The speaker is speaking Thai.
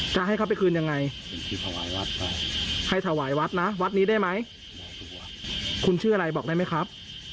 จะให้เขาไปคืนยังไงถวายวัดให้ถวายวัดนะวัดนี้ได้ไหมคุณชื่ออะไรบอกได้ไหมครับ